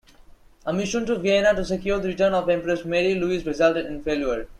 A mission to Vienna to secure the return of Empress Marie-Louise resulted in failure.